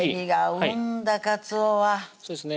そうですね